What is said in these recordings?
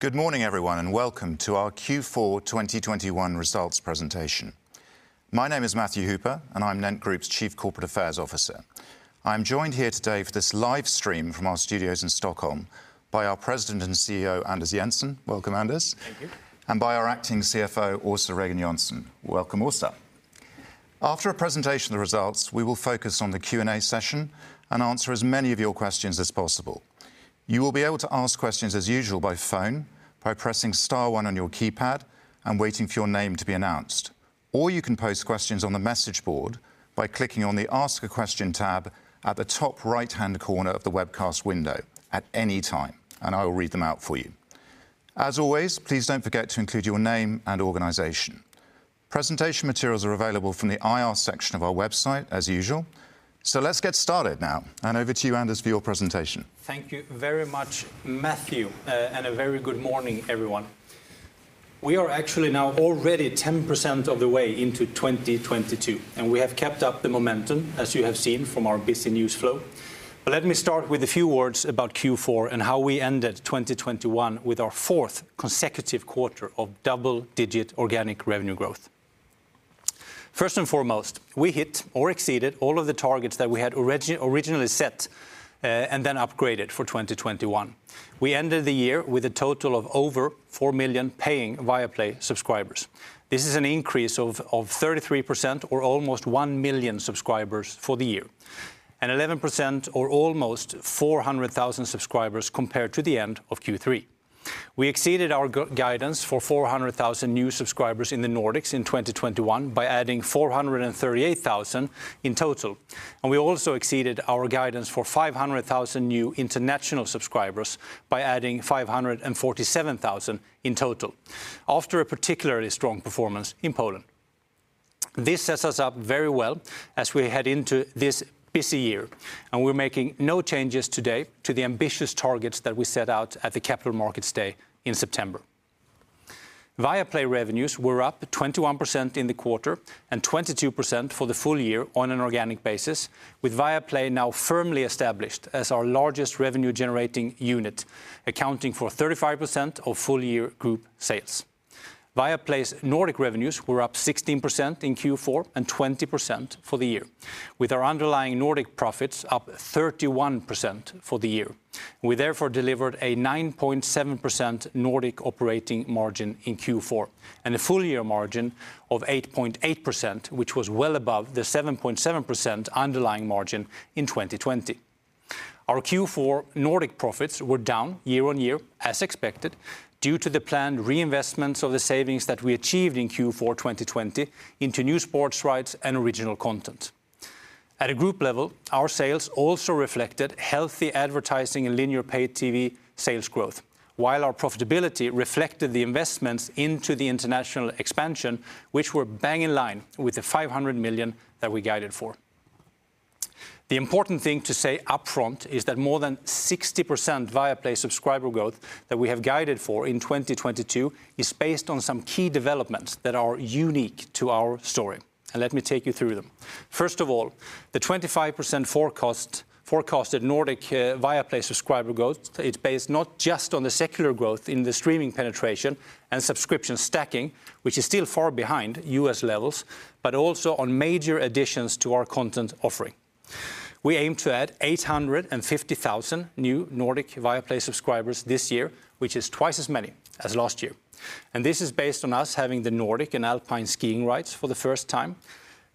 Good morning, everyone, and welcome to our Q4 2021 results presentation. My name is Matthew Hooper, and I'm Nent Group's Chief Corporate Affairs Officer. I'm joined here today for this live stream from our studios in Stockholm by our president and CEO, Anders Jensen. Welcome, Anders. Thank you. By our Acting CFO, Åsa Regen Jonsson. Welcome, Åsa. After a presentation of the results, we will focus on the Q&A session and answer as many of your questions as possible. You will be able to ask questions as usual by phone by pressing star one on your keypad and waiting for your name to be announced. Or you can post questions on the message board by clicking on the Ask a Question tab at the top right-hand corner of the webcast window at any time, and I will read them out for you. As always, please don't forget to include your name and organization. Presentation materials are available from the IR section of our website as usual. Let's get started now. Over to you, Anders, for your presentation. Thank you very much, Matthew, and a very good morning, everyone. We are actually now already 10% of the way into 2022, and we have kept up the momentum, as you have seen from our busy news flow. Let me start with a few words about Q4 and how we ended 2021 with our fourth consecutive quarter of double-digit organic revenue growth. First and foremost, we hit or exceeded all of the targets that we had originally set, and then upgraded for 2021. We ended the year with a total of over four million paying Viaplay subscribers. This is an increase of 33% or almost one million subscribers for the year, and 11% or almost 400,000 subscribers compared to the end of Q3. We exceeded our guidance for 400,000 new subscribers in the Nordics in 2021 by adding 438,000 in total. We also exceeded our guidance for 500,000 new international subscribers by adding 547,000 in total after a particularly strong performance in Poland. This sets us up very well as we head into this busy year, and we're making no changes today to the ambitious targets that we set out at the Capital Markets Day in September. Viaplay revenues were up 21% in the quarter and 22% for the full year on an organic basis, with Viaplay now firmly established as our largest revenue-generating unit, accounting for 35% of full year group sales. Viaplay's Nordic revenues were up 16% in Q4 and 20% for the year, with our underlying Nordic profits up 31% for the year. We therefore delivered a 9.7% Nordic operating margin in Q4, and a full year margin of 8.8%, which was well above the 7.7% underlying margin in 2020. Our Q4 Nordic profits were down year on year as expected due to the planned reinvestments of the savings that we achieved in Q4 2020 into new sports rights and original content. At a group level, our sales also reflected healthy advertising and linear paid TV sales growth. While our profitability reflected the investments into the international expansion, which were bang in line with the 500 million that we guided for. The important thing to say upfront is that more than 60% Viaplay subscriber growth that we have guided for in 2022 is based on some key developments that are unique to our story, and let me take you through them. First of all, the 25% forecast at Nordic Viaplay subscriber growth, it's based not just on the secular growth in the streaming penetration and subscription stacking, which is still far behind U.S. levels, but also on major additions to our content offering. We aim to add 850,000 new Nordic Viaplay subscribers this year, which is twice as many as last year. This is based on us having the Nordic and Alpine skiing rights for the first time.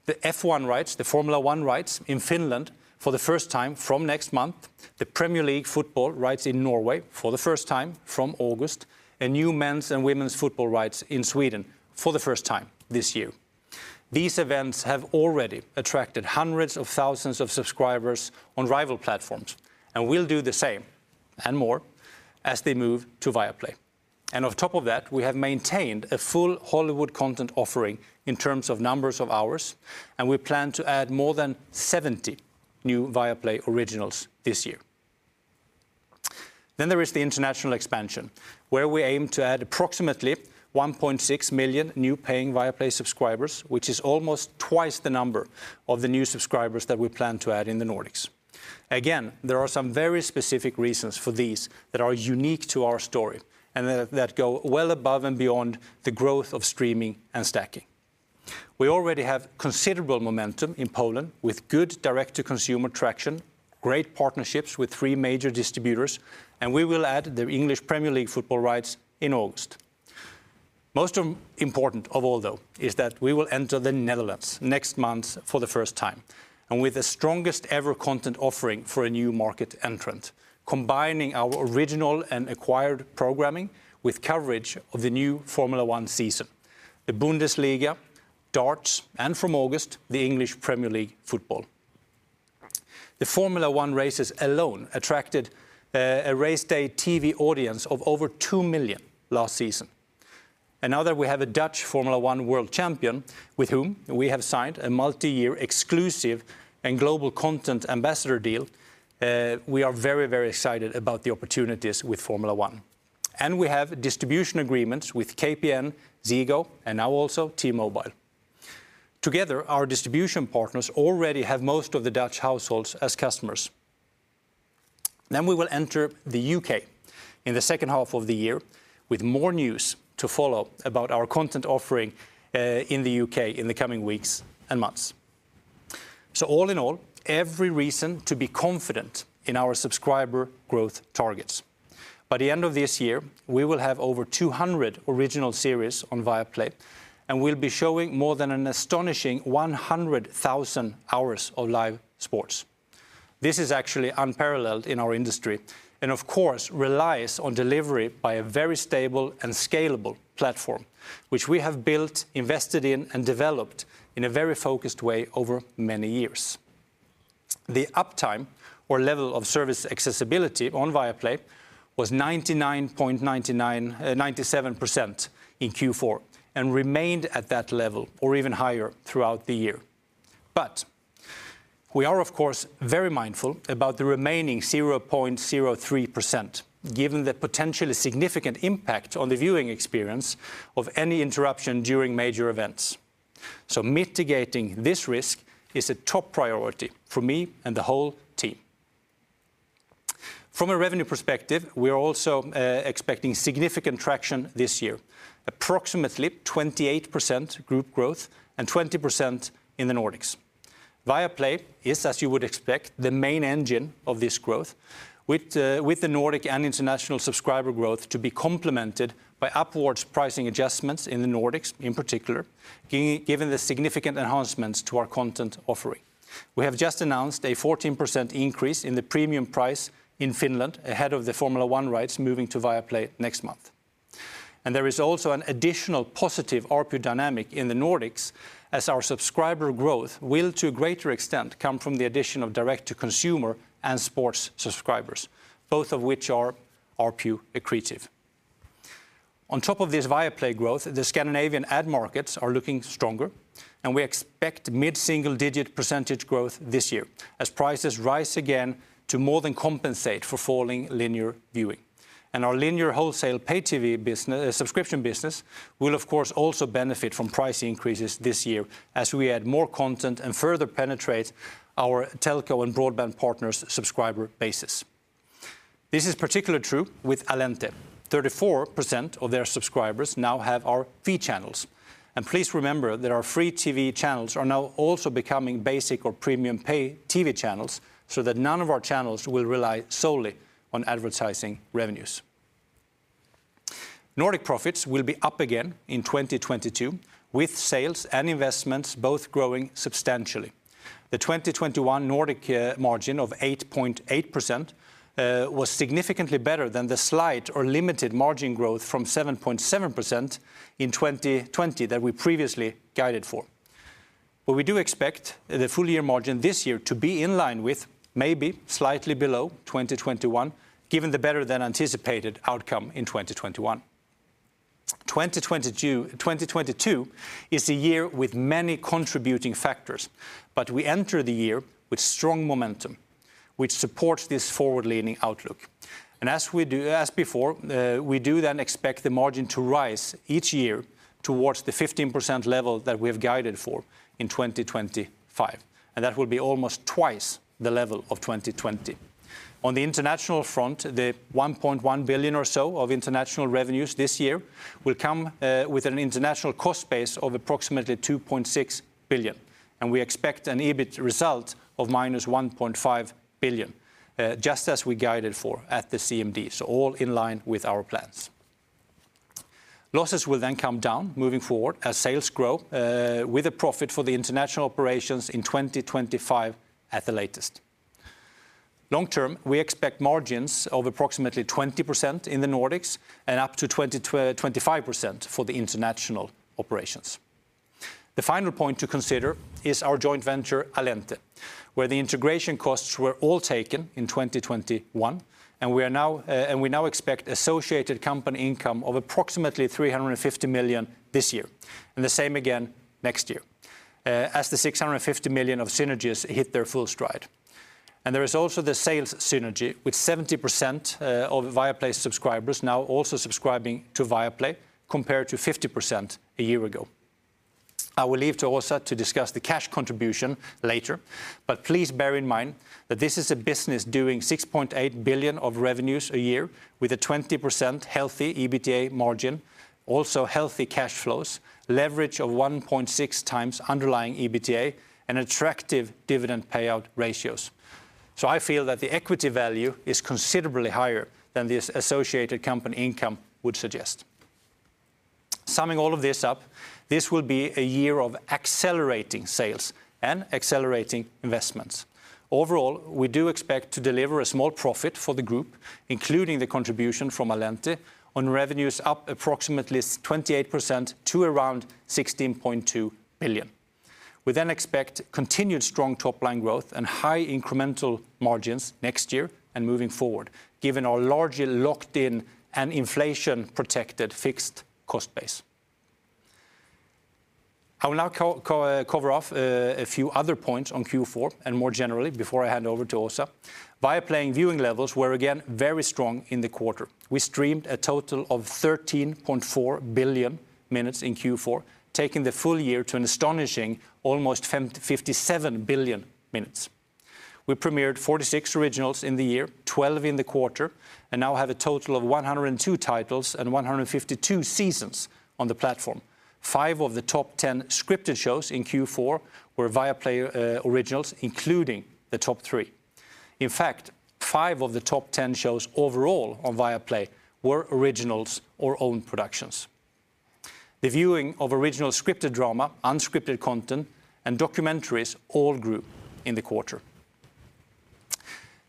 The F1 rights, the Formula One rights in Finland for the first time from next month, the Premier League football rights in Norway for the first time from August, and new men's and women's football rights in Sweden for the first time this year. These events have already attracted hundreds of thousands of subscribers on rival platforms, and will do the same and more as they move to Viaplay. On top of that, we have maintained a full Hollywood content offering in terms of numbers of hours, and we plan to add more than 70 new Viaplay originals this year. There is the international expansion, where we aim to add approximately 1.6 million new paying Viaplay subscribers, which is almost twice the number of the new subscribers that we plan to add in the Nordics. Again, there are some very specific reasons for these that are unique to our story and that go well above and beyond the growth of streaming and stacking. We already have considerable momentum in Poland with good direct-to-consumer traction, great partnerships with three major distributors, and we will add the Premier League football rights in August. Most important of all, though, is that we will enter the Netherlands next month for the first time, and with the strongest-ever content offering for a new market entrant, combining our original and acquired programming with coverage of the new Formula One season, the Bundesliga, darts, and from August, the Premier League football. The Formula One races alone attracted a race day TV audience of over 2 million last season. Now that we have a Dutch Formula One world champion with whom we have signed a multi-year exclusive and global content ambassador deal, we are very, very excited about the opportunities with Formula One. We have distribution agreements with KPN, Ziggo, and now also T-Mobile. Together, our distribution partners already have most of the Dutch households as customers. We will enter the U.K. in the second half of the year with more news to follow about our content offering in the U.K. in the coming weeks and months. All in all, every reason to be confident in our subscriber growth targets. By the end of this year, we will have over 200 original series on Viaplay, and we'll be showing more than an astonishing 100,000 hours of live sports. This is actually unparalleled in our industry and of course relies on delivery by a very stable and scalable platform, which we have built, invested in, and developed in a very focused way over many years. The uptime or level of service accessibility on Viaplay was 99.997% in Q4 and remained at that level or even higher throughout the year. We are of course very mindful about the remaining 0.003%, given the potentially significant impact on the viewing experience of any interruption during major events. Mitigating this risk is a top priority for me and the whole team. From a revenue perspective, we are also expecting significant traction this year. Approximately 28% group growth and 20% in the Nordics. Viaplay is, as you would expect, the main engine of this growth with the Nordic and international subscriber growth to be complemented by upwards pricing adjustments in the Nordics in particular, given the significant enhancements to our content offering. We have just announced a 14% increase in the premium price in Finland ahead of the Formula One rights moving to Viaplay next month. There is also an additional positive ARPU dynamic in the Nordics as our subscriber growth will, to a greater extent, come from the addition of direct to consumer and sports subscribers, both of which are ARPU accretive. On top of this Viaplay growth, the Scandinavian ad markets are looking stronger, and we expect mid-single-digit % growth this year as prices rise again to more than compensate for falling linear viewing. Our linear wholesale pay TV business, subscription business will of course also benefit from price increases this year as we add more content and further penetrate our telco and broadband partners' subscriber bases. This is particularly true with Allente. 34% of their subscribers now have our free channels. Please remember that our free TV channels are now also becoming basic or premium pay TV channels so that none of our channels will rely solely on advertising revenues. Nordic profits will be up again in 2022, with sales and investments both growing substantially. The 2021 Nordic margin of 8.8% was significantly better than the slight or limited margin growth from 7.7% in 2020 that we previously guided for. We do expect the full year margin this year to be in line with maybe slightly below 2021, given the better than anticipated outcome in 2021. 2022 is a year with many contributing factors, but we enter the year with strong momentum, which supports this forward-leaning outlook. As before, we do then expect the margin to rise each year towards the 15% level that we have guided for in 2025, and that will be almost twice the level of 2020. On the international front, the 1.1 billion or so of international revenues this year will come with an international cost base of approximately 2.6 billion. We expect an EBIT result of -1.5 billion, just as we guided for at the CMD, so all in line with our plans. Losses will then come down moving forward as sales grow, with a profit for the international operations in 2025 at the latest. Long-term, we expect margins of approximately 20% in the Nordics and up to 25% for the international operations. The final point to consider is our joint venture, Allente, where the integration costs were all taken in 2021, and we now expect associated company income of approximately 350 million this year and the same again next year, as the 650 million of synergies hit their full stride. There is also the sales synergy with 70% of Viaplay subscribers now also subscribing to Viaplay, compared to 50% a year ago. I will leave to Åsa to discuss the cash contribution later, but please bear in mind that this is a business doing 6.8 billion of revenues a year with a 20% healthy EBITDA margin, also healthy cash flows, leverage of 1.6x underlying EBITDA, and attractive dividend payout ratios. I feel that the equity value is considerably higher than this associated company income would suggest. Summing all of this up, this will be a year of accelerating sales and accelerating investments. Overall, we do expect to deliver a small profit for the group, including the contribution from Allente, on revenues up approximately 28% to around 16.2 billion. We expect continued strong top-line growth and high incremental margins next year and moving forward, given our largely locked-in and inflation-protected fixed cost base. I will now cover off a few other points on Q4 and more generally before I hand over to Åsa. Viaplay viewing levels were again very strong in the quarter. We streamed a total of 13.4 billion minutes in Q4, taking the full year to an astonishing almost 57 billion minutes. We premiered 46 originals in the year, 12 in the quarter, and now have a total of 102 titles and 152 seasons on the platform. Five of the top 10 scripted shows in Q4 were Viaplay originals, including the top three. In fact, five of the top 10 shows overall on Viaplay were originals or own productions. The viewing of original scripted drama, unscripted content, and documentaries all grew in the quarter.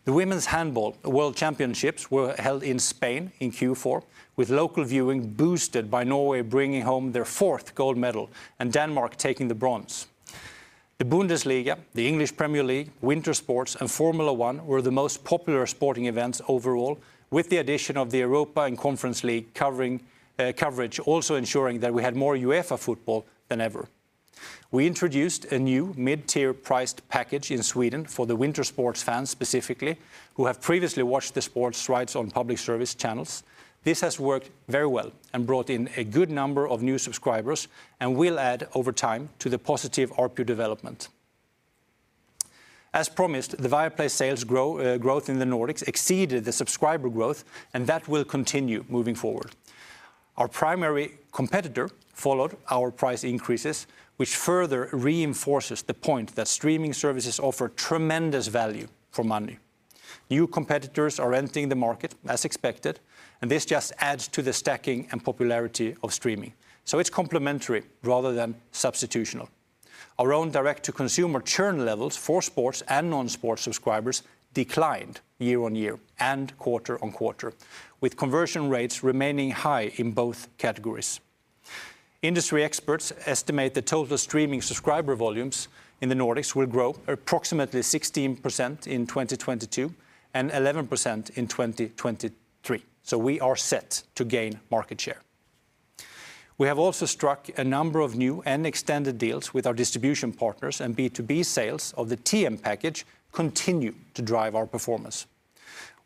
The Women's Handball World Championships were held in Spain in Q4, with local viewing boosted by Norway bringing home their fourth gold medal and Denmark taking the bronze. The Bundesliga, the English Premier League, winter sports, and Formula 1 were the most popular sporting events overall, with the addition of the Europa and Conference League coverage also ensuring that we had more UEFA football than ever. We introduced a new mid-tier priced package in Sweden for the winter sports fans specifically, who have previously watched the sports rights on public service channels. This has worked very well and brought in a good number of new subscribers and will add over time to the positive ARPU development. As promised, the Viaplay sales growth in the Nordics exceeded the subscriber growth, and that will continue moving forward. Our primary competitor followed our price increases, which further reinforces the point that streaming services offer tremendous value for money. New competitors are entering the market as expected, and this just adds to the stacking and popularity of streaming, so it's complementary rather than substitutional. Our own direct-to-consumer churn levels for sports and non-sports subscribers declined year-over-year and quarter-over-quarter, with conversion rates remaining high in both categories. Industry experts estimate the total streaming subscriber volumes in the Nordics will grow approximately 16% in 2022 and 11% in 2023, so we are set to gain market share. We have also struck a number of new and extended deals with our distribution partners and B2B sales of the TM package continue to drive our performance.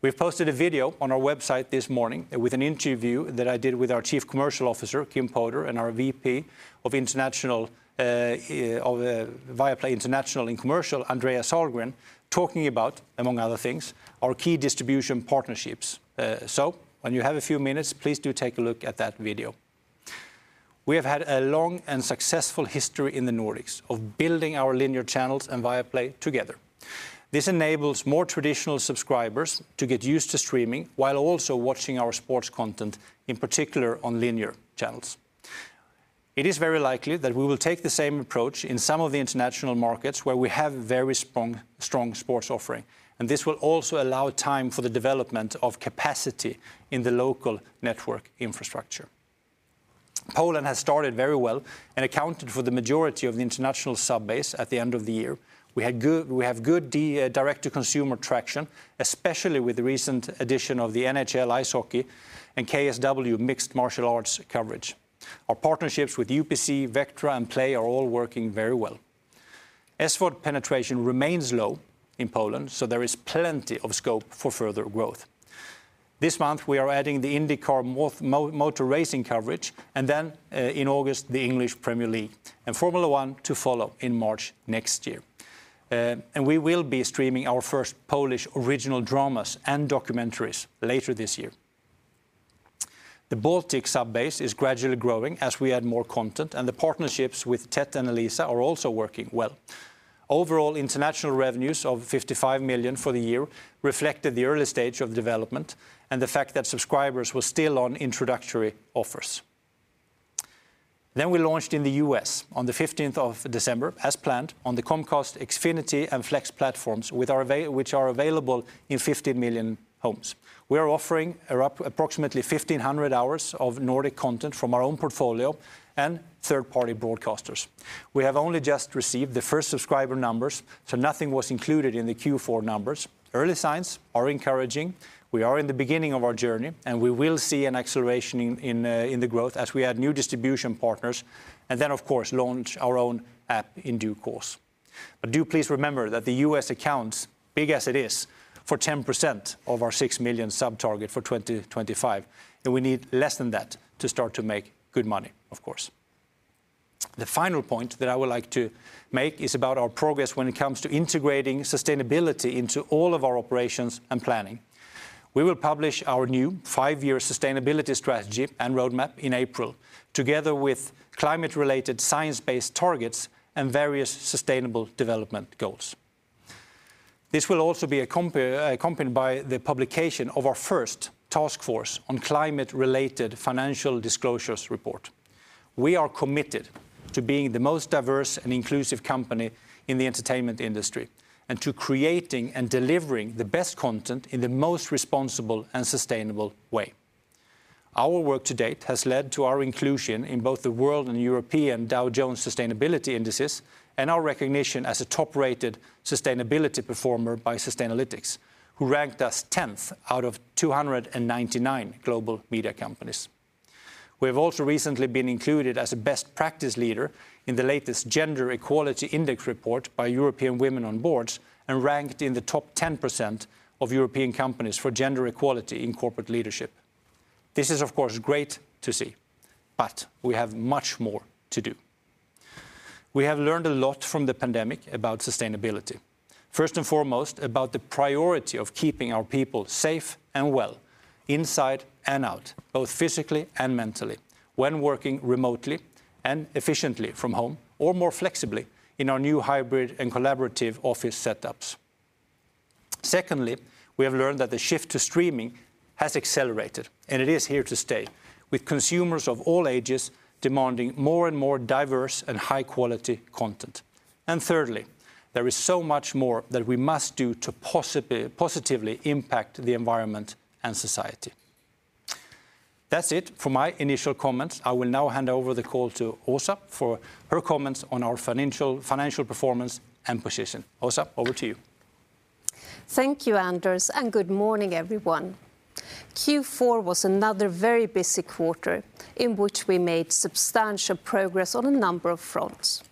We've posted a video on our website this morning with an interview that I did with our Chief Commercial Officer, Kim Poder, and our VP of Viaplay International and Commercial, Andreas Ahlgren, talking about, among other things, our key distribution partnerships. When you have a few minutes, please do take a look at that video. We have had a long and successful history in the Nordics of building our linear channels and Viaplay together. This enables more traditional subscribers to get used to streaming while also watching our sports content, in particular on linear channels. It is very likely that we will take the same approach in some of the international markets where we have a very strong sports offering, and this will also allow time for the development of capacity in the local network infrastructure. Poland has started very well and accounted for the majority of the international sub base at the end of the year. We have good direct-to-consumer traction, especially with the recent addition of the NHL ice hockey and KSW mixed martial arts coverage. Our partnerships with UPC, Vectra, and Play are all working very well. SVOD penetration remains low in Poland, so there is plenty of scope for further growth. This month, we are adding the IndyCar motor racing coverage, and then, in August, the English Premier League, and Formula 1 to follow in March next year. And we will be streaming our first Polish original dramas and documentaries later this year. The Baltic sub base is gradually growing as we add more content, and the partnerships with Tet and Elisa are also working well. Overall, international revenues of 55 million for the year reflected the early stage of development and the fact that subscribers were still on introductory offers. We launched in the U.S. on the 15th of December as planned on the Comcast Xfinity and Flex platforms, which are available in 50 million homes. We are offering approximately 1,500 hours of Nordic content from our own portfolio and third-party broadcasters. We have only just received the first subscriber numbers, so nothing was included in the Q4 numbers. Early signs are encouraging. We are in the beginning of our journey, and we will see an acceleration in the growth as we add new distribution partners and then of course launch our own app in due course. Do please remember that the U.S. accounts, big as it is, for 10% of our 6 million sub target for 2025, and we need less than that to start to make good money, of course. The final point that I would like to make is about our progress when it comes to integrating sustainability into all of our operations and planning. We will publish our new five-year sustainability strategy and roadmap in April, together with climate-related science-based targets and various sustainable development goals. This will also be accompanied by the publication of our first Task Force on Climate-related Financial Disclosures report. We are committed to being the most diverse and inclusive company in the entertainment industry and to creating and delivering the best content in the most responsible and sustainable way. Our work to date has led to our inclusion in both the world and European Dow Jones Sustainability Indices and our recognition as a top-rated sustainability performer by Sustainalytics, who ranked us 10th out of 299 global media companies. We have also recently been included as a best practice leader in the latest Gender Equality Index report by European Women on Boards and ranked in the top 10% of European companies for gender equality in corporate leadership. This is of course great to see, but we have much more to do. We have learned a lot from the pandemic about sustainability. First and foremost, about the priority of keeping our people safe and well, inside and out, both physically and mentally, when working remotely and efficiently from home, or more flexibly in our new hybrid and collaborative office setups. Secondly, we have learned that the shift to streaming has accelerated, and it is here to stay, with consumers of all ages demanding more and more diverse and high-quality content. Thirdly, there is so much more that we must do to positively impact the environment and society. That's it for my initial comments. I will now hand over the call to Åsa for her comments on our financial performance and position. Åsa, over to you. Thank you, Anders, and good morning, everyone. Q4 was another very busy quarter in which we made substantial progress on a number of fronts.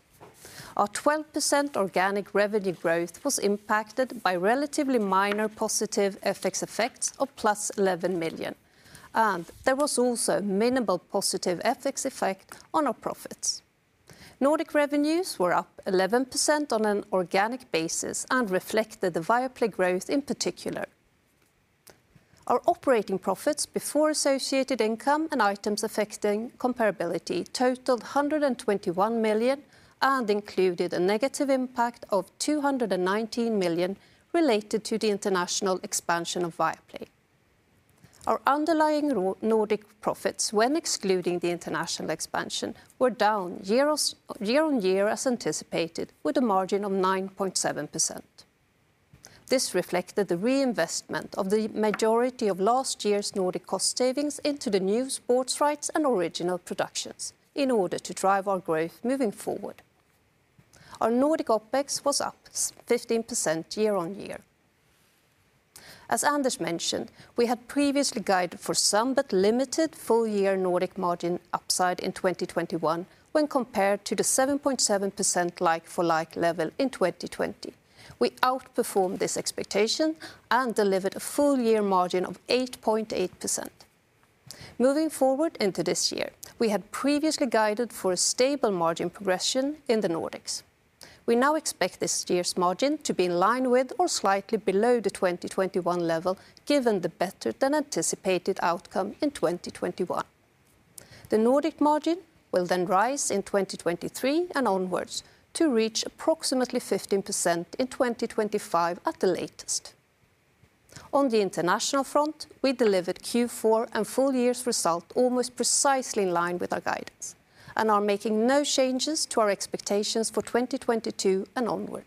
Our 12% organic revenue growth was impacted by relatively minor positive FX effects of 11 million, and there was also minimal positive FX effect on our profits. Nordic revenues were up 11% on an organic basis and reflected the Viaplay growth in particular. Our operating profits before associated income and items affecting comparability totaled 121 million and included a negative impact of 219 million related to the international expansion of Viaplay. Our underlying Nordic profits, when excluding the international expansion, were down year-on-year as anticipated, with a margin of 9.7%. This reflected the reinvestment of the majority of last year's Nordic cost savings into the new sports rights and original productions, in order to drive our growth moving forward. Our Nordic OPEX was up 15% year-over-year. As Anders mentioned, we had previously guided for some, but limited, full-year Nordic margin upside in 2021 when compared to the 7.7% like-for-like level in 2020. We outperformed this expectation and delivered a full-year margin of 8.8%. Moving forward into this year, we had previously guided for a stable margin progression in the Nordics. We now expect this year's margin to be in line with or slightly below the 2021 level, given the better-than-anticipated outcome in 2021. The Nordic margin will then rise in 2023 and onward to reach approximately 15% in 2025 at the latest. On the international front, we delivered Q4 and full-year's result almost precisely in line with our guidance, and are making no changes to our expectations for 2022 and onward.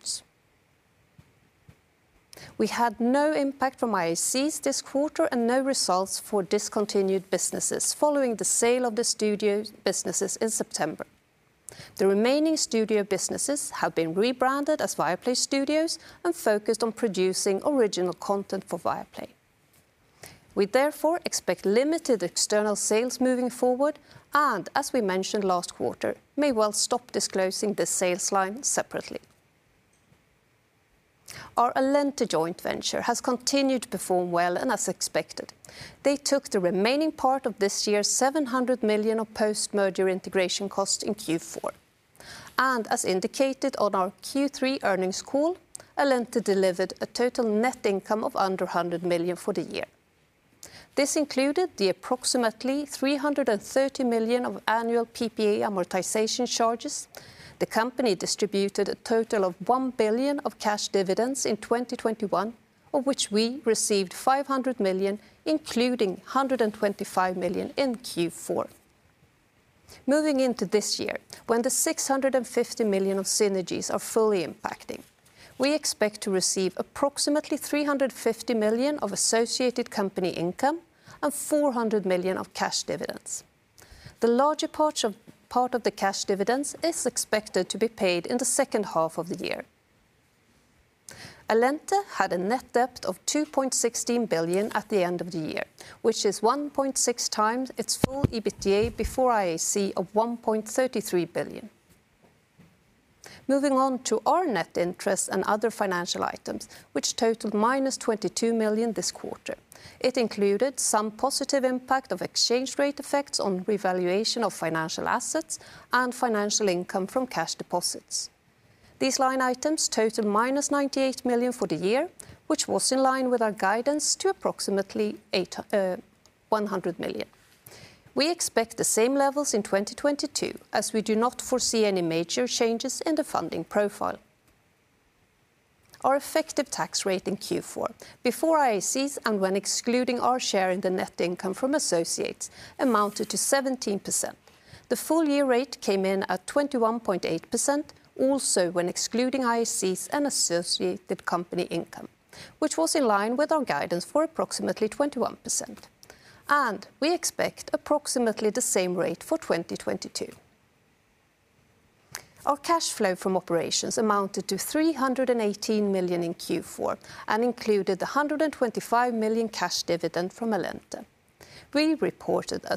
We had no impact from IAC this quarter and no results for discontinued businesses following the sale of the studio businesses in September. The remaining studio businesses have been rebranded as Viaplay Studios and focused on producing original content for Viaplay. We therefore expect limited external sales moving forward It included some positive impact of exchange rate effects on revaluation of financial assets and financial income from cash deposits. These line items totaled -98 million for the year, which was in line with our guidance to approximately 80-100 million. We expect the same levels in 2022, as we do not foresee any major changes in the funding profile. Our effective tax rate in Q4, before IAC and when excluding our share in the net income from associates, amounted to 17%. The full year rate came in at 21.8%, also when excluding IAC and associated company income, which was in line with our guidance for approximately 21%. We expect approximately the same rate for 2022. Our cash flow from operations amounted to 318 million in Q4 and included the 125 million cash dividend from Allente. We reported a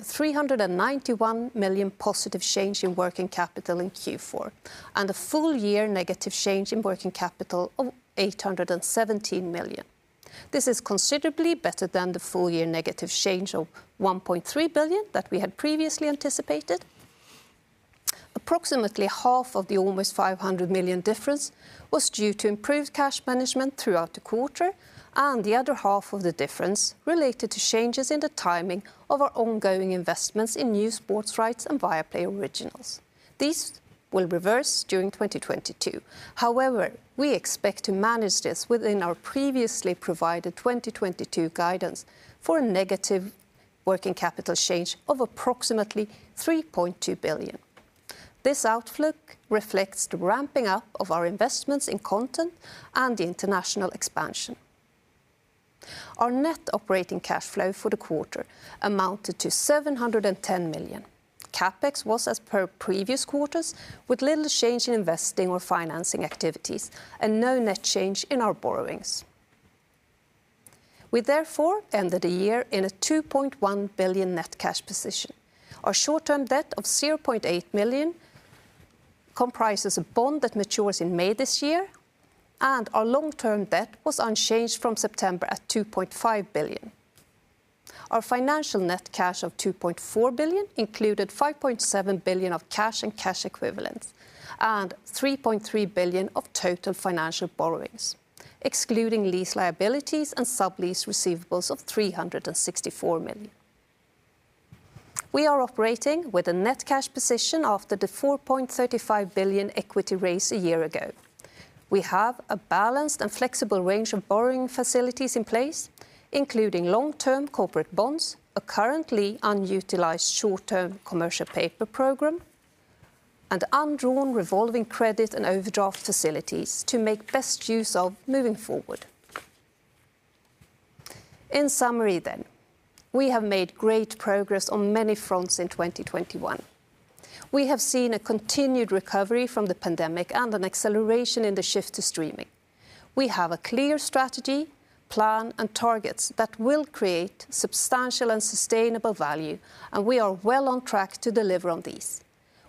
391 million positive change in working capital in Q4, and a full year negative change in working capital of 817 million. This is considerably better than the full year negative change of 1.3 billion that we had previously anticipated. Approximately half of the almost 500 million difference was due to improved cash management throughout the quarter, and the other half of the difference related to changes in the timing of our ongoing investments in new sports rights and Viaplay originals. These will reverse during 2022. However, we expect to manage this within our previously provided 2022 guidance for a negative working capital change of approximately 3.2 billion. This outlook reflects the ramping up of our investments in content and international expansion. Our net operating cash flow for the quarter amounted to 710 million. CapEx was as per previous quarters, with little change in investing or financing activities, and no net change in our borrowings. We therefore ended the year in a 2.1 billion net cash position. Our short-term debt of 0.8 million comprises a bond that matures in May this year, and our long-term debt was unchanged from September at 2.5 billion. Our financial net cash of 2.4 billion included 5.7 billion of cash and cash equivalents, and 3.3 billion of total financial borrowings, excluding lease liabilities and sublease receivables of 364 million. We are operating with a net cash position after the 4.35 billion equity raise a year ago. We have a balanced and flexible range of borrowing facilities in place, including long-term corporate bonds, a currently unutilized short-term commercial paper program, and undrawn revolving credit and overdraft facilities to make best use of moving forward. In summary, we have made great progress on many fronts in 2021. We have seen a continued recovery from the pandemic and an acceleration in the shift to streaming. We have a clear strategy, plan, and targets that will create substantial and sustainable value, and we are well on track to deliver on these.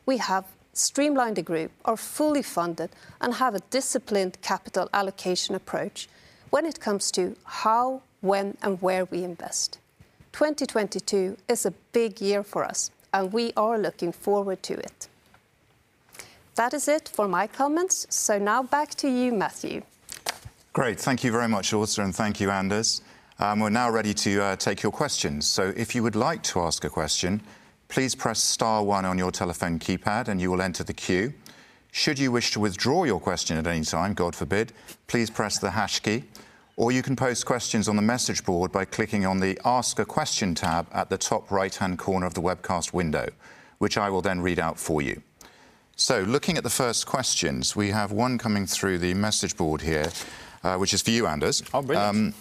We have streamlined the group, are fully funded, and have a disciplined capital allocation approach when it comes to how, when, and where we invest. 2022 is a big year for us, and we are looking forward to it. That is it for my comments. Now back to you, Matthew Hooper. Great. Thank you very much, Åsa, and thank you, Anders. We're now ready to take your questions. If you would like to ask a question, please press star one on your telephone keypad and you will enter the queue. Should you wish to withdraw your question at any time, God forbid, please press the hash key, or you can post questions on the message board by clicking on the Ask a Question tab at the top right-hand corner of the webcast window, which I will then read out for you. Looking at the first questions, we have one coming through the message board here, which is for you, Anders. Oh, brilliant.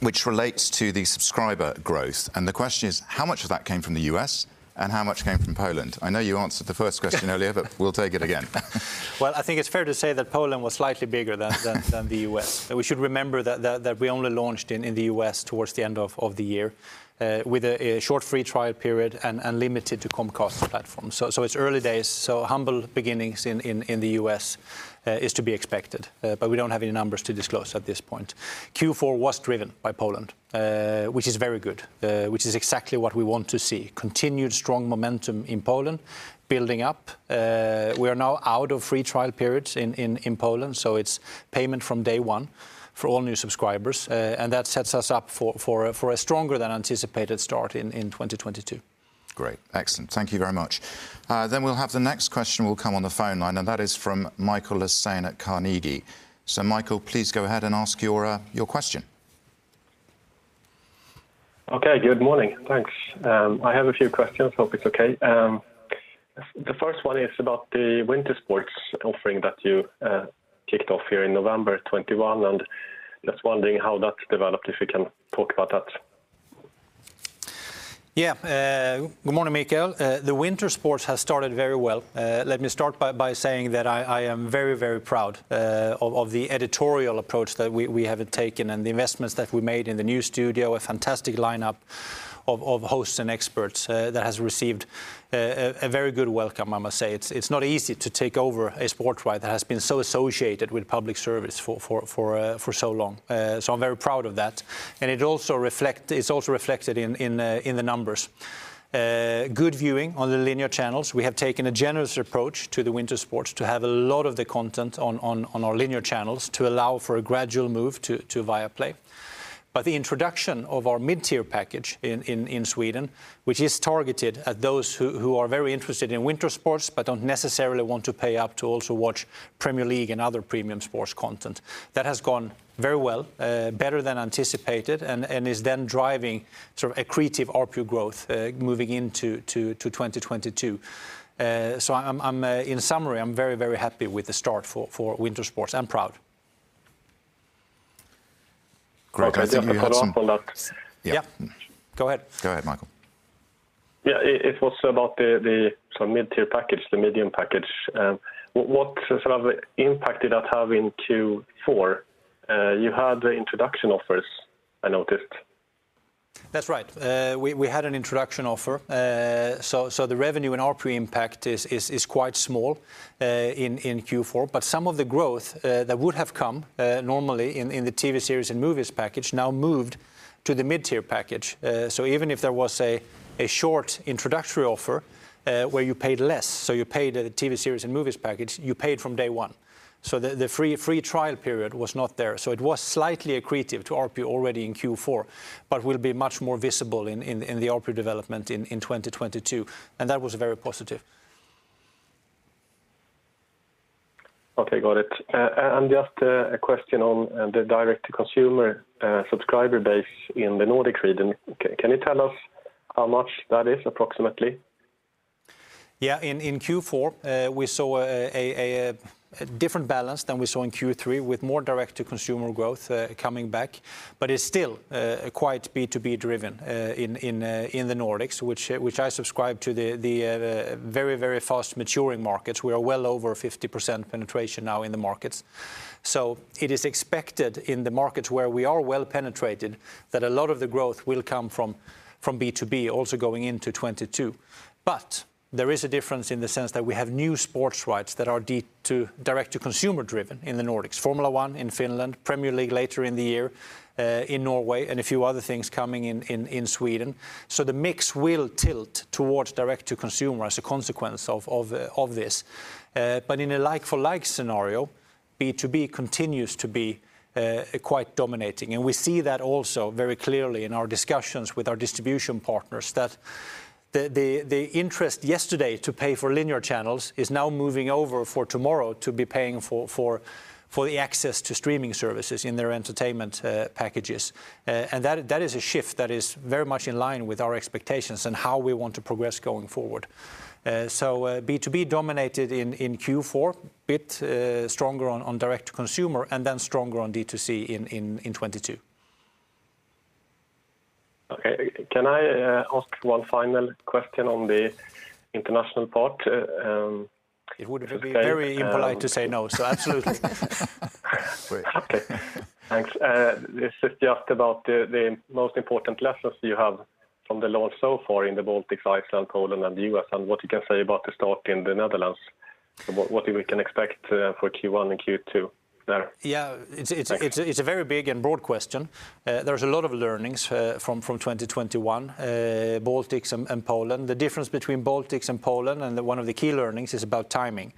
Which relates to the subscriber growth, and the question is, how much of that came from the U.S. and how much came from Poland? I know you answered the first question earlier, but we'll take it again. Well, I think it's fair to say that Poland was slightly bigger than the U.S. We should remember that we only launched in the U.S. towards the end of the year with a short free trial period and limited to Comcast platform. It's early days, humble beginnings in the U.S. is to be expected, but we don't have any numbers to disclose at this point. Q4 was driven by Poland, which is very good, which is exactly what we want to see, continued strong momentum in Poland building up. We are now out of free trial periods in Poland, it's payment from day one for all new subscribers, and that sets us up for a stronger than anticipated start in 2022. Great. Excellent. Thank you very much. We'll have the next question will come on the phone line, and that is from Mikael Löswing at Carnegie. Mikael, please go ahead and ask your question. Okay, good morning. Thanks. I have a few questions, I hope it's okay. The first one is about the winter sports offering that you kicked off here in November 2021, and just wondering how that's developed, if you can talk about that. Yeah. Good morning, Mikael. The winter sports has started very well. Let me start by saying that I am very proud of the editorial approach that we have taken and the investments that we made in the new studio, a fantastic lineup of hosts and experts that has received a very good welcome, I must say. It's not easy to take over a sport right that has been so associated with public service for so long. I'm very proud of that, and it's also reflected in the numbers. Good viewing on the linear channels. We have taken a generous approach to the winter sports to have a lot of the content on our linear channels to allow for a gradual move to Viaplay. The introduction of our mid-tier package in Sweden, which is targeted at those who are very interested in winter sports but don't necessarily want to pay up to also watch Premier League and other premium sports content, that has gone very well, better than anticipated, and is then driving sort of accretive ARPU growth, moving into 2022. In summary, I'm very happy with the start for winter sports, and proud. Great. I think we had some Can I just follow up on that? Yeah. Yeah. Go ahead. Go ahead, Mikael. Yeah. It was about the sort of mid-tier package, the medium package. What sort of impact did that have in Q4? You had the introduction offers, I noticed. That's right. We had an introduction offer. The revenue in ARPU impact is quite small in Q4, but some of the growth that would have come normally in the TV series and movies package now moved to the mid-tier package. Even if there was a short introductory offer where you paid less, you paid the TV series and movies package from day one. The free trial period was not there. It was slightly accretive to ARPU already in Q4, but will be much more visible in the ARPU development in 2022, and that was very positive. Okay. Got it. Just a question on the direct-to-consumer subscriber base in the Nordic region. Can you tell us how much that is approximately? In Q4, we saw a different balance than we saw in Q3 with more direct-to-consumer growth coming back. It's still quite B2B driven in the Nordics, which I ascribe to the very fast maturing markets. We are well over 50% penetration now in the markets. It is expected in the markets where we are well penetrated that a lot of the growth will come from B2B also going into 2022. There is a difference in the sense that we have new sports rights that are direct-to-consumer driven in the Nordics. Formula 1 in Finland, Premier League later in the year in Norway, and a few other things coming in in Sweden. The mix will tilt towards direct to consumer as a consequence of this. In a like for like scenario, B2B continues to be quite dominating. We see that also very clearly in our discussions with our distribution partners, that the interest yesterday to pay for linear channels is now moving over for tomorrow to be paying for the access to streaming services in their entertainment packages. That is a shift that is very much in line with our expectations and how we want to progress going forward. B2B dominated in Q4, a bit stronger on direct to consumer and then stronger on D2C in 2022. Okay. Can I ask one final question on the international part? It would be very impolite to say no, so absolutely. Great. Okay. Thanks. This is just about the most important lessons you have from the launch so far in the Baltics, Iceland, Poland and the US, and what you can say about the start in the Netherlands. What we can expect for Q1 and Q2 there. It's a very big and broad question. There's a lot of learnings from 2021, Baltics and Poland. The difference between Baltics and Poland, and one of the key learnings is about timing.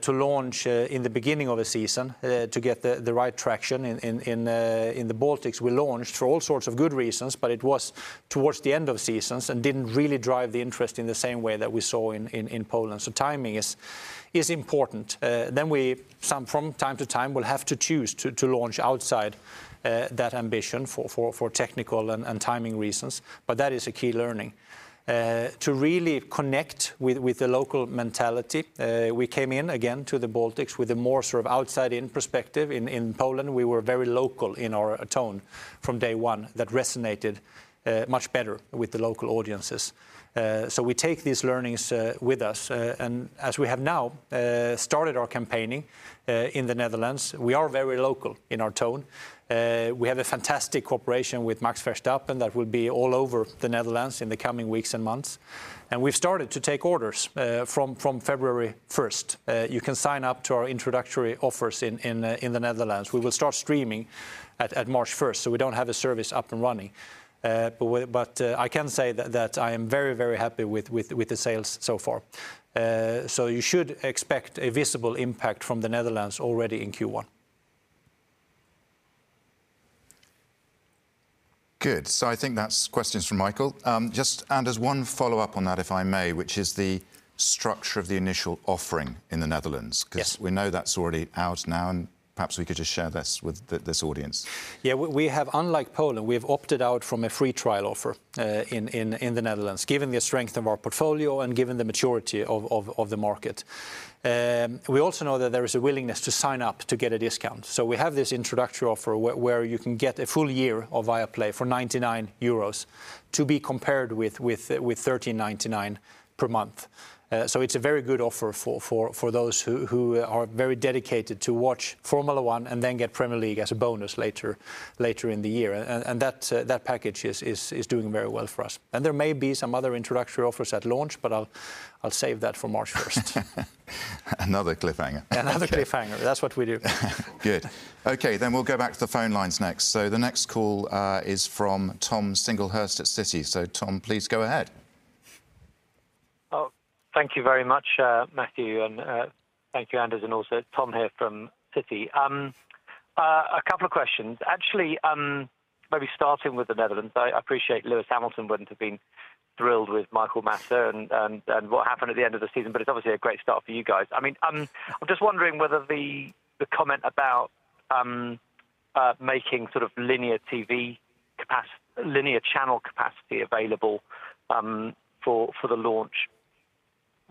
To launch in the beginning of a season to get the right traction in the Baltics, we launched for all sorts of good reasons, but it was towards the end of seasons and didn't really drive the interest in the same way that we saw in Poland. Timing is important. From time to time we will have to choose to launch outside that ambition for technical and timing reasons. That is a key learning. To really connect with the local mentality, we came in again to the Baltics with a more sort of outside-in perspective. In Poland, we were very local in our tone from day one that resonated much better with the local audiences. We take these learnings with us. As we have now started our campaigning in the Netherlands, we are very local in our tone. We have a fantastic cooperation with Max Verstappen that will be all over the Netherlands in the coming weeks and months. We've started to take orders from February 1st. You can sign up to our introductory offers in the Netherlands. We will start streaming at March 1st, so we don't have a service up and running. I can say that I am very, very happy with the sales so far. You should expect a visible impact from the Netherlands already in Q1. Good. I think that's questions from Michael. Just, Anders, one follow-up on that, if I may, which is the structure of the initial offering in the Netherlands. Yes 'Cause we know that's already out now, and perhaps we could just share this with this audience. Yeah. We have—Unlike Poland, we have opted out from a free trial offer in the Netherlands, given the strength of our portfolio and given the maturity of the market. We also know that there is a willingness to sign up to get a discount. We have this introductory offer where you can get a full year of Viaplay for 99 euros to be compared with 13.99 per month. It's a very good offer for those who are very dedicated to watch Formula 1 and then get Premier League as a bonus later in the year. That package is doing very well for us. There may be some other introductory offers at launch, but I'll save that for March 1st. Another cliffhanger. Another cliffhanger. That's what we do. Good. Okay, we'll go back to the phone lines next. The next call is from Tom Singlehurst at Citi. Tom, please go ahead. Oh, thank you very much, Matthew, and thank you, Anders, and also Tom here from Citi. A couple of questions. Actually, maybe starting with the Netherlands. I appreciate Lewis Hamilton wouldn't have been thrilled with Mikael Masi and what happened at the end of the season, but it's obviously a great start for you guys. I mean, I'm just wondering whether the comment about making sort of linear TV linear channel capacity available for the launch,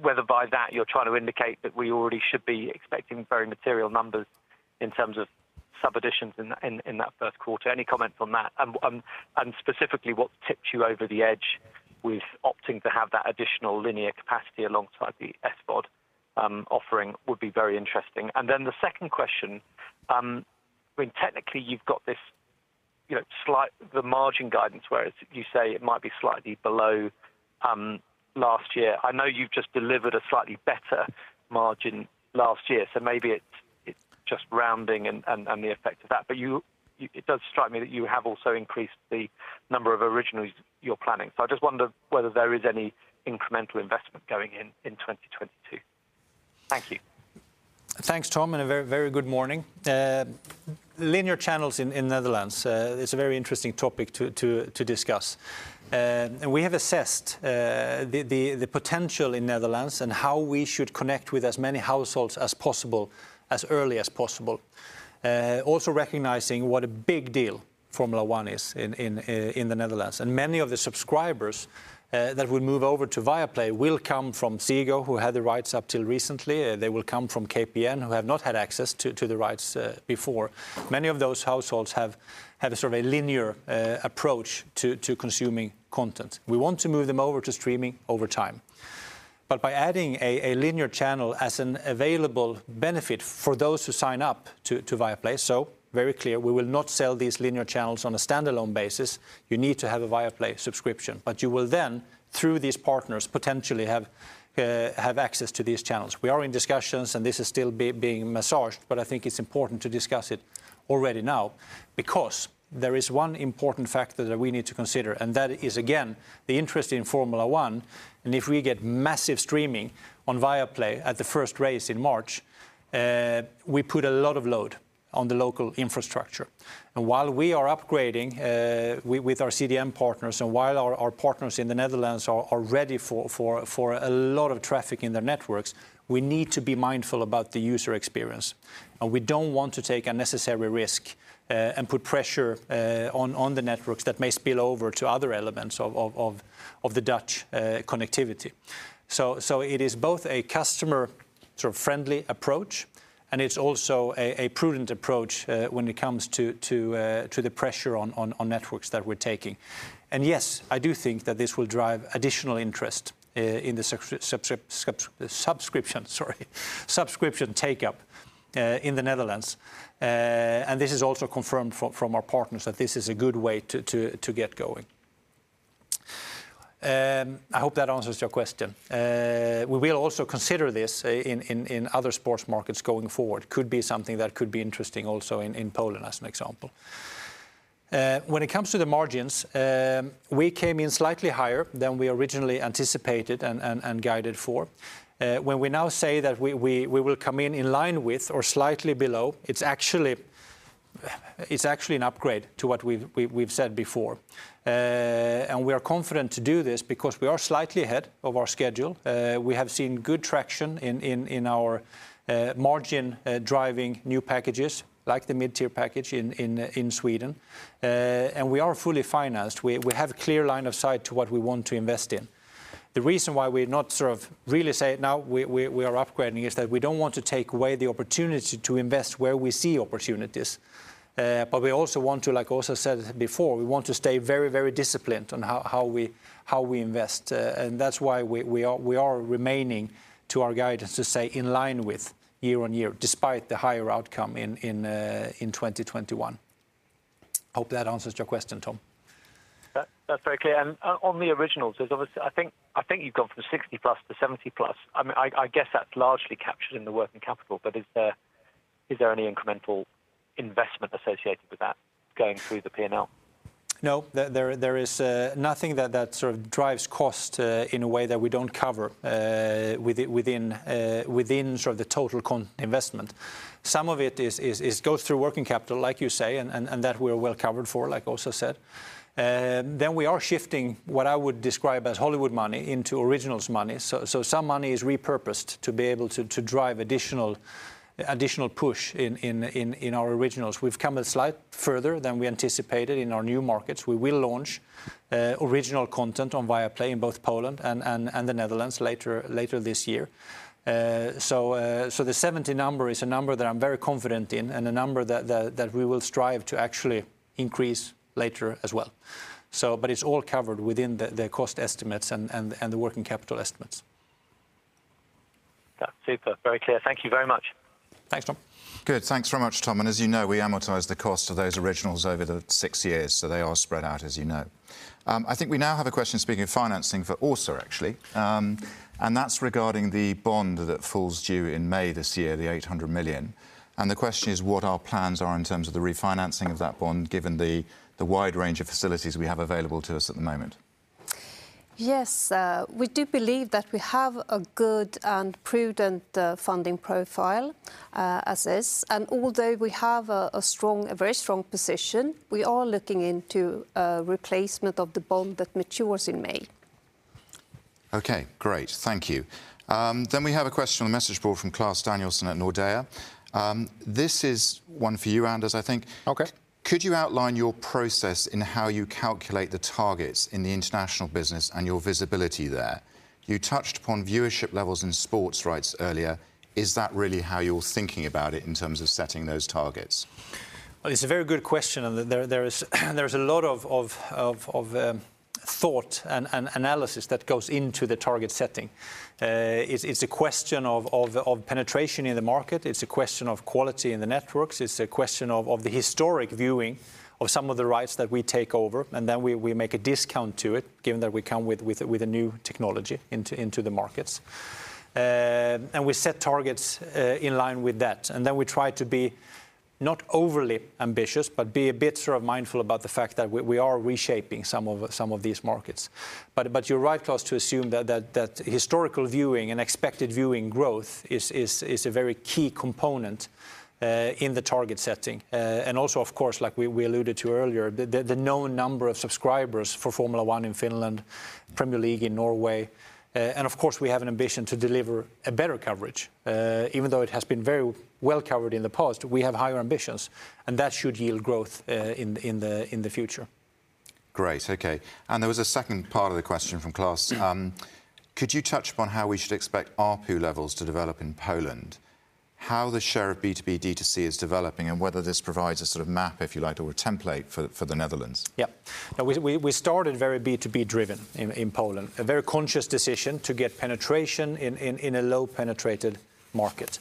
whether by that you're trying to indicate that we already should be expecting very material numbers in terms of sub additions in that first quarter. Any comment on that? And specifically, what tipped you over the edge with opting to have that additional linear capacity alongside the SVOD? The offering would be very interesting. Then the second question, I mean, technically you've got this, you know, the margin guidance, whereas you say it might be slightly below last year. I know you've just delivered a slightly better margin last year, so maybe it's just rounding and the effect of that. It does strike me that you have also increased the number of originals you're planning. I just wonder whether there is any incremental investment going in in 2022. Thank you. Thanks, Tom, and a very, very good morning. Linear channels in the Netherlands, it's a very interesting topic to discuss. We have assessed the potential in the Netherlands and how we should connect with as many households as possible as early as possible. Also recognizing what a big deal Formula One is in the Netherlands. Many of the subscribers that would move over to Viaplay will come from Ziggo, who had the rights up till recently. They will come from KPN, who have not had access to the rights before. Many of those households have a sort of a linear approach to consuming content. We want to move them over to streaming over time. By adding a linear channel as an available benefit for those who sign up to Viaplay, so very clear, we will not sell these linear channels on a standalone basis. You need to have a Viaplay subscription. You will then, through these partners, potentially have access to these channels. We are in discussions, and this is still being massaged, but I think it's important to discuss it already now because there is one important factor that we need to consider, and that is, again, the interest in Formula One. If we get massive streaming on Viaplay at the first race in March, we put a lot of load on the local infrastructure. While we are upgrading with our CDN partners, and while our partners in the Netherlands are ready for a lot of traffic in their networks, we need to be mindful about the user experience. We don't want to take unnecessary risk and put pressure on the networks that may spill over to other elements of the Dutch connectivity. It is both a customer sort of friendly approach, and it's also a prudent approach when it comes to the pressure on networks that we're taking. Yes, I do think that this will drive additional interest in the subscription take-up in the Netherlands. This is also confirmed from our partners that this is a good way to get going. I hope that answers your question. We will also consider this in other sports markets going forward. Could be something that could be interesting also in Poland as an example. When it comes to the margins, we came in slightly higher than we originally anticipated and guided for. When we now say that we will come in line with or slightly below, it's actually an upgrade to what we've said before. We are confident to do this because we are slightly ahead of our schedule. We have seen good traction in our margin driving new packages like the mid-tier package in Sweden. We are fully financed. We have clear line of sight to what we want to invest in. The reason why we're not sort of really say it now we are upgrading is that we don't want to take away the opportunity to invest where we see opportunities. We also want to, like also said before, we want to stay very, very disciplined on how we invest. That's why we are remaining to our guidance to say in line with year-on-year despite the higher outcome in 2021. Hope that answers your question, Tom. That's very clear. On the originals, there's obviously, I think, you've gone from 60+ to 70+. I mean, I guess that's largely captured in the working capital. Is there any incremental investment associated with that going through the P&L? No. There is nothing that sort of drives cost in a way that we don't cover within sort of the total content investment. Some of it goes through working capital, as you say, and that we're well covered for, as I also said. We are shifting what I would describe as Hollywood money into originals money. Some money is repurposed to be able to drive additional push in our originals. We've come a bit further than we anticipated in our new markets. We will launch original content on Viaplay in both Poland and the Netherlands later this year. The 70 number is a number that I'm very confident in and a number that we will strive to actually increase later as well. It's all covered within the cost estimates and the working capital estimates. That's super. Very clear. Thank you very much. Thanks, Tom. Good. Thanks very much, Tom. As you know, we amortize the cost of those originals over the six years, so they are spread out, as you know. I think we now have a question speaking of financing for Åsa, actually. That's regarding the bond that falls due in May this year, the 800 million. The question is what our plans are in terms of the refinancing of that bond, given the wide range of facilities we have available to us at the moment. Yes, we do believe that we have a good and prudent funding profile as is. Although we have a very strong position, we are looking into a replacement of the bond that matures in May. Okay, great. Thank you. We have a question on the message board from Claes Danielsson at Nordea. This is one for you, Anders, I think. Okay. Could you outline your process in how you calculate the targets in the international business and your visibility there? You touched upon viewership levels in sports rights earlier. Is that really how you're thinking about it in terms of setting those targets? It's a very good question, and there is a lot of thought and analysis that goes into the target setting. It's a question of penetration in the market, it's a question of quality in the networks, it's a question of the historic viewing of some of the rights that we take over, and then we make a discount to it given that we come with a new technology into the markets. And we set targets in line with that, and then we try to be not overly ambitious, but be a bit sort of mindful about the fact that we are reshaping some of these markets. You're right, Claes, to assume that historical viewing and expected viewing growth is a very key component in the target setting. Also of course, like we alluded to earlier, the known number of subscribers for Formula 1 in Finland, Premier League in Norway, and of course we have an ambition to deliver a better coverage. Even though it has been very well-covered in the past, we have higher ambitions, and that should yield growth in the future. Great. Okay. There was a second part of the question from Claes. Mm. Could you touch upon how we should expect ARPU levels to develop in Poland, how the share of B2B/D2C is developing, and whether this provides a sort of map, if you like, or a template for the Netherlands? Yeah. No, we started very B2B driven in Poland. A very conscious decision to get penetration in a low-penetrated market.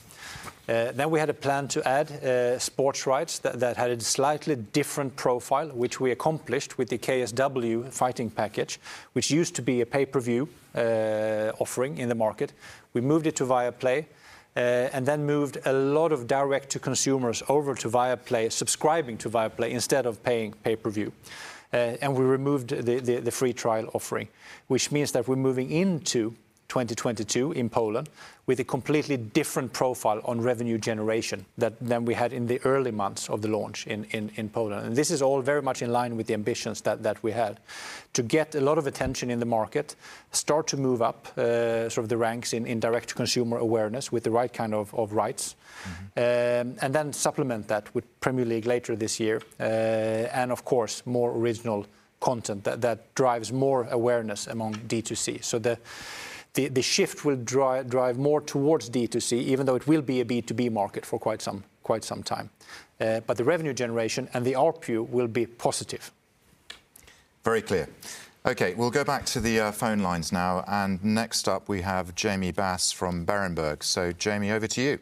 Then we had a plan to add sports rights that had a slightly different profile, which we accomplished with the KSW fighting package, which used to be a pay-per-view offering in the market. We moved it to Viaplay and then moved a lot of direct to consumers over to Viaplay, subscribing to Viaplay instead of paying pay-per-view. We removed the free trial offering, which means that we're moving into 2022 in Poland with a completely different profile on revenue generation than we had in the early months of the launch in Poland. This is all very much in line with the ambitions that we had. To get a lot of attention in the market, start to move up, sort of the ranks in direct consumer awareness with the right kind of rights. Mm-hmm. Supplement that with Premier League later this year, and of course more original content that drives more awareness among D2C. The shift will drive more towards D2C, even though it will be a B2B market for quite some time. The revenue generation and the ARPU will be positive. Very clear. Okay, we'll go back to the fine lines. Next up we have Jamie Bayliss From Berenberg. Jamie, over to you.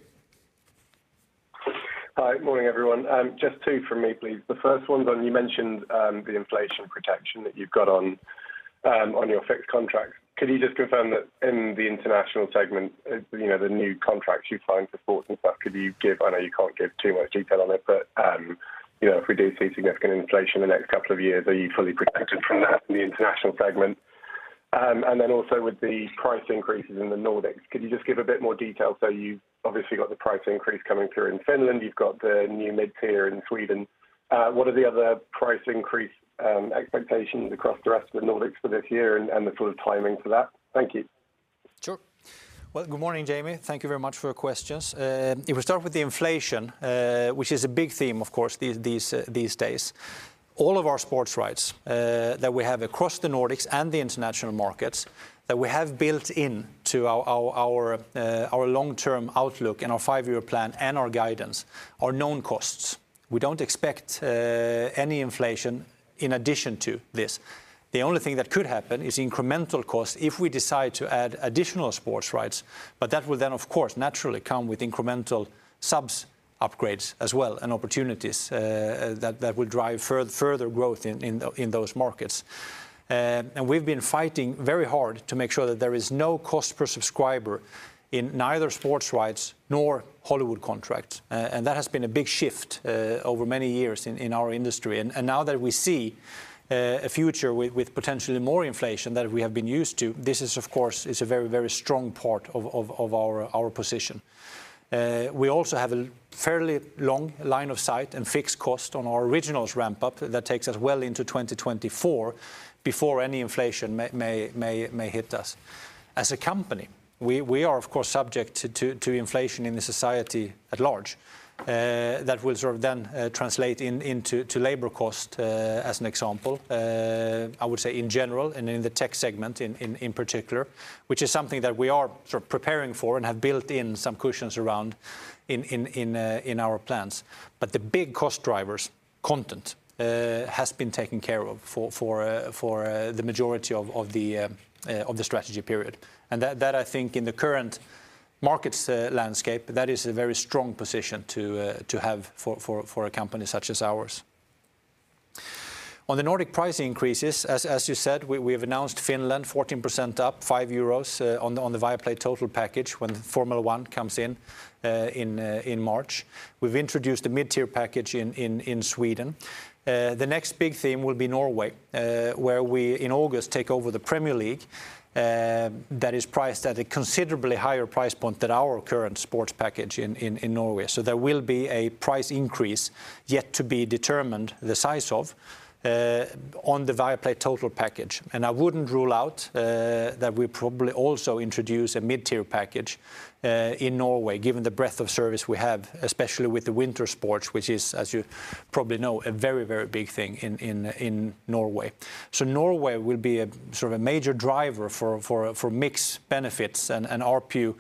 Hi. Morning, everyone. Just two from me, please. The first one's on, you mentioned, the inflation protection that you've got on your fixed contracts. Could you just confirm that in the international segment, you know, the new contracts you sign for sports and such, I know you can't give too much detail on it, but, you know, if we do see significant inflation in the next couple of years, are you fully protected from that in the international segment? And then also with the price increases in the Nordics, could you just give a bit more detail? You've obviously got the price increase coming through in Finland, you've got the new mid-tier in Sweden. What are the other price increase expectations across the rest of the Nordics for this year and the sort of timing for that? Thank you. Sure. Well, good morning, Jamie. Thank you very much for your questions. If we start with the inflation, which is a big theme of course these days, all of our sports rights that we have across the Nordics and the international markets that we have built into our long-term outlook and our five-year plan and our guidance are known costs. We don't expect any inflation in addition to this. The only thing that could happen is incremental cost if we decide to add additional sports rights, but that will then of course naturally come with incremental subs upgrades as well, and opportunities that will drive further growth in those markets. We've been fighting very hard to make sure that there is no cost per subscriber in neither sports rights nor Hollywood contracts. That has been a big shift over many years in our industry. Now that we see a future with potentially more inflation than we have been used to, this is of course, it's a very, very strong part of our position. We also have a fairly long line of sight and fixed cost on our originals ramp-up that takes us well into 2024 before any inflation may hit us. As a company, we are of course subject to inflation in the society at large, that will sort of then translate into labor cost as an example. I would say in general, and in the tech segment in particular, which is something that we are sort of preparing for and have built in some cushions around in our plans. The big cost drivers, content, has been taken care of for the majority of the strategy period. That I think in the current market landscape, that is a very strong position to have for a company such as ours. On the Nordic price increases, as you said, we have announced Finland 14% up, 5 euros on the Viaplay total package when Formula 1 comes in in March. We've introduced a mid-tier package in Sweden. The next big theme will be Norway, where we in August take over the Premier League, that is priced at a considerably higher price point than our current sports package in Norway. So there will be a price increase yet to be determined the size of on the Viaplay total package. I wouldn't rule out that we probably also introduce a mid-tier package in Norway, given the breadth of service we have, especially with the winter sports, which is, as you probably know, a very, very big thing in Norway. Norway will be a sort of a major driver for mixed benefits and ARPU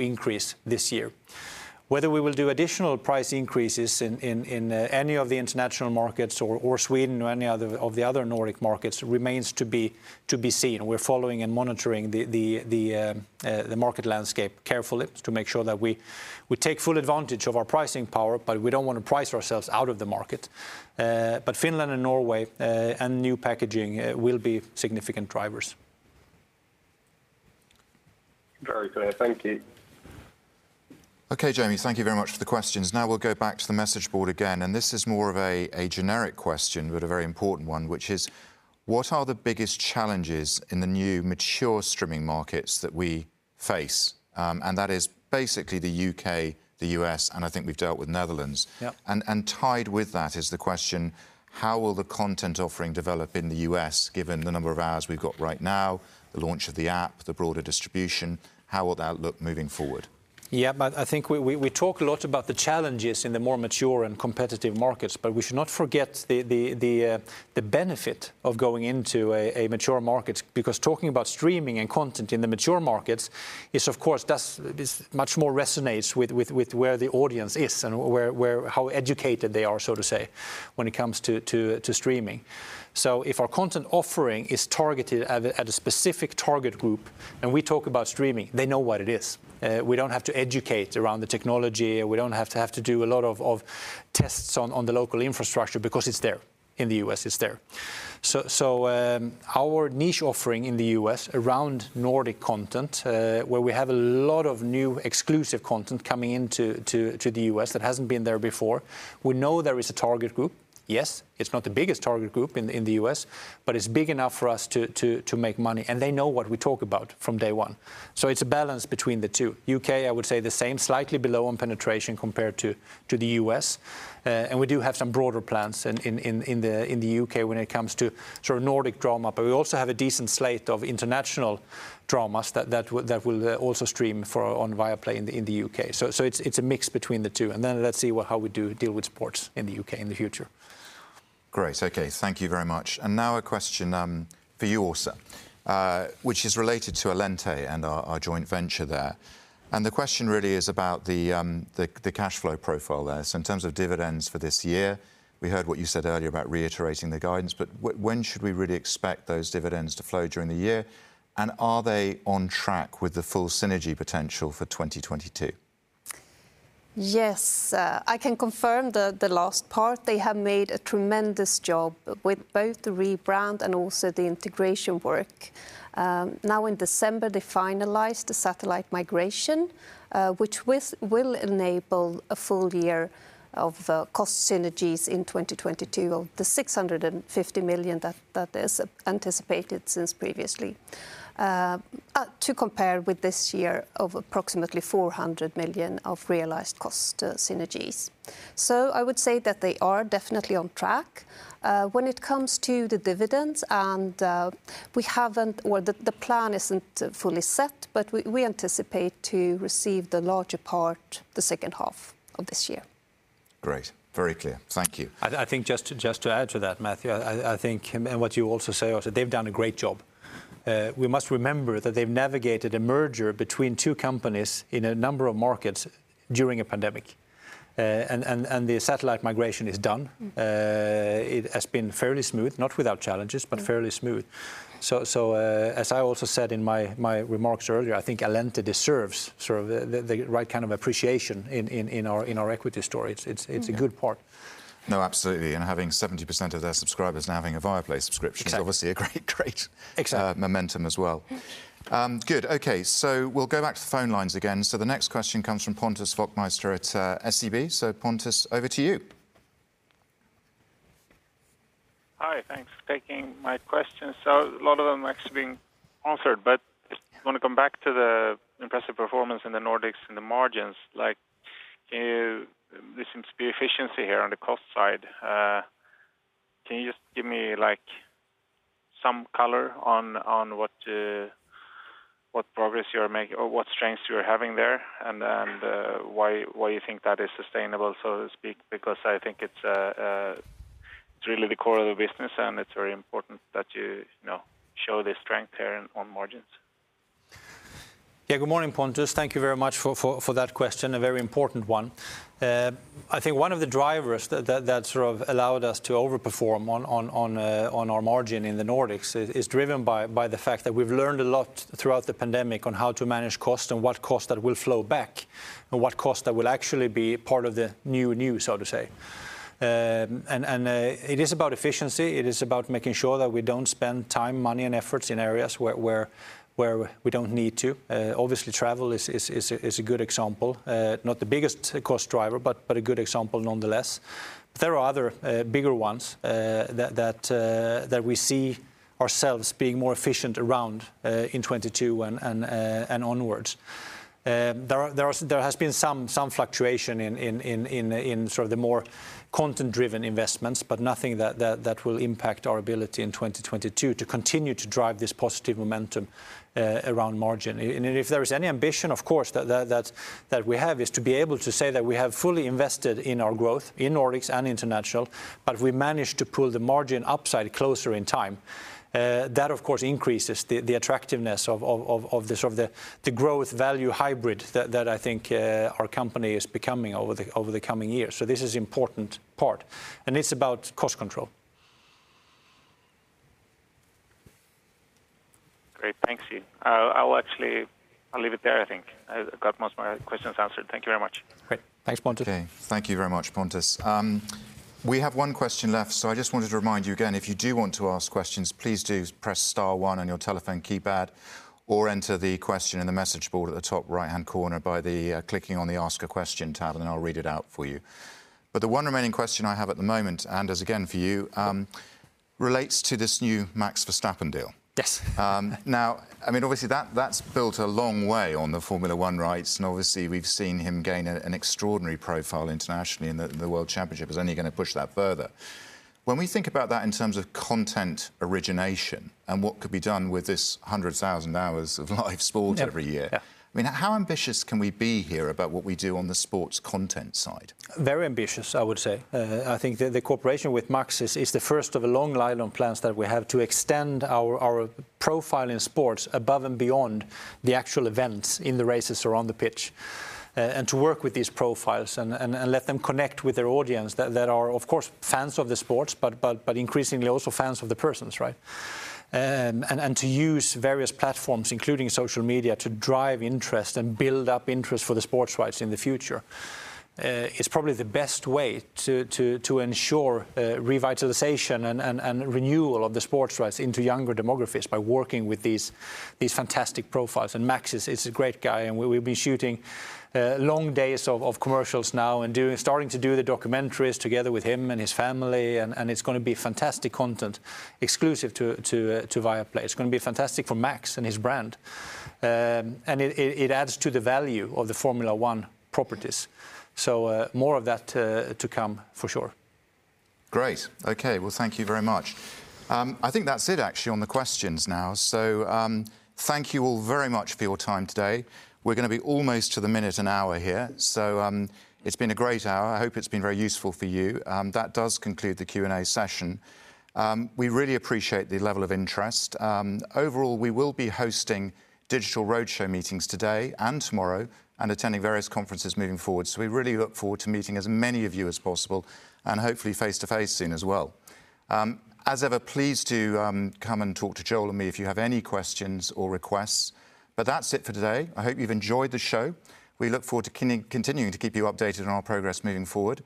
increase this year. Whether we will do additional price increases in any of the international markets or Sweden or any other Nordic markets remains to be seen. We're following and monitoring the market landscape carefully to make sure that we take full advantage of our pricing power, but we don't wanna price ourselves out of the market. Finland and Norway and new packaging will be significant drivers. Very clear. Thank you. Okay, Jamie, thank you very much for the questions. Now we'll go back to the message board again, and this is more of a generic question, but a very important one, which is: What are the biggest challenges in the new mature streaming markets that we face? That is basically the U.K., the U.S., and I think we've dealt with Netherlands. Yep. Tied with that is the question: How will the content offering develop in the U.S. given the number of hours we've got right now, the launch of the app, the broader distribution? How will that look moving forward? Yeah. I think we talk a lot about the challenges in the more mature and competitive markets, but we should not forget the benefit of going into a mature market. Because talking about streaming and content in the mature markets is of course is much more resonates with where the audience is and where how educated they are, so to say, when it comes to streaming. If our content offering is targeted at a specific target group, and we talk about streaming, they know what it is. We don't have to educate around the technology, we don't have to do a lot of tests on the local infrastructure because it's there. In the U.S., it's there. Our niche offering in the U.S. around Nordic content, where we have a lot of new exclusive content coming into the U.S. that hasn't been there before, we know there is a target group. Yes, it's not the biggest target group in the U.S., but it's big enough for us to make money, and they know what we talk about from day one. It's a balance between the two. U.K., I would say the same, slightly below on penetration compared to the U.S. We do have some broader plans in the U.K. when it comes to sort of Nordic drama. We also have a decent slate of international dramas that will also stream on Viaplay in the U.K. It's a mix between the two, and then let's see how we deal with sports in the U.K. in the future. Great. Okay. Thank you very much. Now a question for you, Åsa, which is related to Allente and our joint venture there, and the question really is about the cashflow profile there. In terms of dividends for this year, we heard what you said earlier about reiterating the guidance. When should we really expect those dividends to flow during the year? And are they on track with the full synergy potential for 2022? Yes. I can confirm the last part. They have made a tremendous job with both the rebrand and also the integration work. Now in December, they finalized the satellite migration, which will enable a full year of cost synergies in 2022 of the SEK 650 million that is anticipated since previously. To compare with this year of approximately SEK 400 million of realized cost synergies. I would say that they are definitely on track. When it comes to the dividends, we haven't or the plan isn't fully set, but we anticipate to receive the larger part the second half of this year. Great. Very clear. Thank you. I think just to add to that, Matthew. I think and what you also say, Åsa, they've done a great job. We must remember that they've navigated a merger between two companies in a number of markets during a pandemic. The satellite migration is done. Mm. It has been fairly smooth, not without challenges. Mm fairly smooth. As I also said in my remarks earlier, I think Allente deserves sort of the right kind of appreciation in our equity story. It's Mm It's a good part. No, absolutely. Having 70% of their subscribers now having a Viaplay subscription- Exactly... is obviously a great Exactly momentum as well. Mm. Good. Okay. We'll go back to the phone lines again. The next question comes from Pontus Wachtmeister at SEB. Pontus, over to you. Hi. Thanks for taking my questions. A lot of them actually been answered, but just wanna come back to the impressive performance in the Nordics and the margins. Like, there seems to be efficiency here on the cost side. Can you just give me like some color on what progress you're making or what strengths you're having there and why you think that is sustainable, so to speak? Because I think it's really the core of the business, and it's very important that you know show the strength here on margins. Yeah. Good morning, Pontus. Thank you very much for that question, a very important one. I think one of the drivers that sort of allowed us to overperform on our margin in the Nordics is driven by the fact that we've learned a lot throughout the pandemic on how to manage cost and what cost that will flow back, and what cost that will actually be part of the new, so to say. It is about efficiency. It is about making sure that we don't spend time, money, and efforts in areas where we don't need to. Obviously travel is a good example. Not the biggest cost driver, but a good example nonetheless. There are other bigger ones that we see ourselves being more efficient around in 2022 and onwards. There has been some fluctuation in sort of the more content-driven investments, but nothing that will impact our ability in 2022 to continue to drive this positive momentum around margin. If there is any ambition, of course, that we have is to be able to say that we have fully invested in our growth in Nordics and International, but we managed to pull the margin upside closer in time. That of course increases the attractiveness of the sort of the growth value hybrid that I think our company is becoming over the coming years. This is important part, and it's about cost control. Great. Thanks. I'll leave it there, I think. I got most of my questions answered. Thank you very much. Great. Thanks, Pontus. Okay. Thank you very much, Pontus. We have one question left, so I just wanted to remind you again, if you do want to ask questions, please do press star one on your telephone keypad, or enter the question in the message board at the top right-hand corner by clicking on the Ask a Question tab, and then I'll read it out for you. The one remaining question I have at the moment, Anders, again, for you, relates to this new Max Verstappen deal. Yes. Now, I mean, obviously that's built a long way on the Formula 1 rights, and obviously we've seen him gain an extraordinary profile internationally, and the world championship is only gonna push that further. When we think about that in terms of content origination and what could be done with this 100,000 hours of live sport every year. Yeah I mean, how ambitious can we be here about what we do on the sports content side? Very ambitious, I would say. I think the cooperation with Max is the first of a long line of plans that we have That's it for today. I hope you've enjoyed the show. We look forward to continuing to keep you updated on our progress moving forward.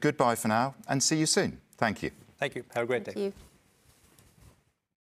Goodbye for now and see you soon. Thank you. Thank you. Have a great day. Thank you.